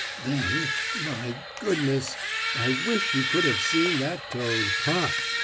Then, my goodness! I wish you could have seen that toad hop.